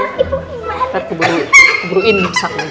nah ibu ini keburu buruin masak lagi